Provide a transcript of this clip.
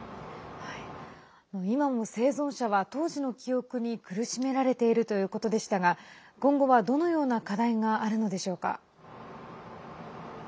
今も生存者は当時の記憶に苦しめられているということでしたが今後は、どのような課題があるのでしょうか。